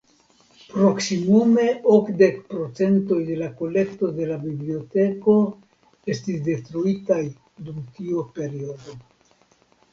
Proksimume okdek procentoj de la kolekto de la biblioteko estis detruitaj dum tiu periodo.